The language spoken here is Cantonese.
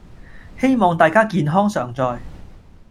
希望大家健康常在